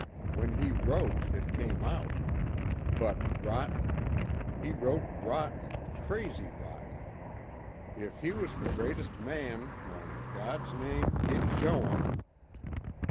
When he wrote it came out. But rotten. He wrote rotten, crazy rotten. If he was the greatest man why in God's name! He'd show 'em.